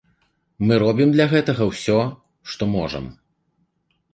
Мы робім для гэтага усё, што можам.